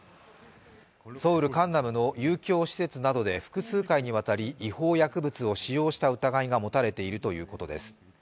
ソウル・カンナムの遊興施設などで複数回にわたり違法薬物を使用した疑いが持たれているということです。